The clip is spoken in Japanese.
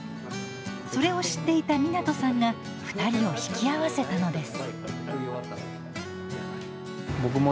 それを知っていた湊さんが２人を引き合わせたのです。